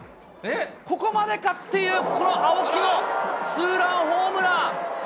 ここまでかっていう、この青木のツーランホームラン。